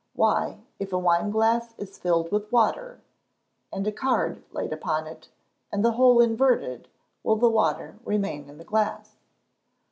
_Why, if a wine glass is filled with water, and a card laid upon it, and the whole inverted, will the water remain in the glass?